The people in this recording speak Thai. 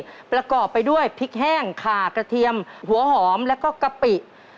ประกอบไปด้วยพริกแห้งขากระเทียมหัวหอมแล้วก็กะปิ